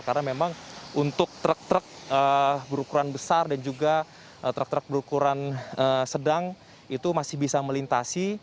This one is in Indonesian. karena memang untuk truk truk berukuran besar dan juga truk truk berukuran sedang itu masih bisa melintasi